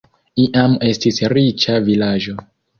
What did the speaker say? Iam estis riĉa vilaĝo.